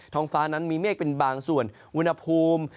ห้องฟ้านั้นมีเมฆเป็นบางส่วนอุณหภูมิ